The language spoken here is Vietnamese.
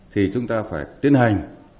thì chúng ta phải tiến hành